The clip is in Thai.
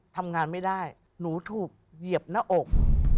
ทำงานไม่ได้หนูถูกเหยียบหน้าอก